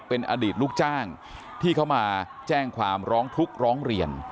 เป็นอดีตลูกจ้างที่เขามาแจ้งความร้องทุกข์ร้องเรียน